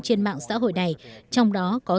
trên mạng xã hội này trong đó có